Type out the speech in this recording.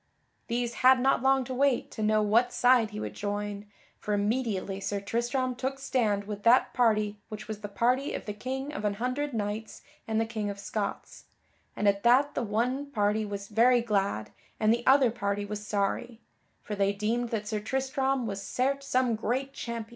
These had not long to wait to know what side he would join, for immediately Sir Tristram took stand with that party which was the party of the King of an Hundred Knights and the King of Scots, and at that the one party was very glad, and the other party was sorry; for they deemed that Sir Tristram was certes some great champion.